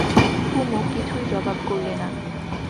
কুমু কিছুই জবাব করলে না।